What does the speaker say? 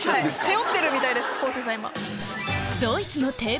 背負ってるみたいです。